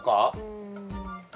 うん。